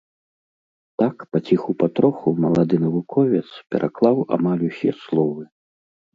Так паціху-патроху малады навуковец пераклаў амаль усе словы.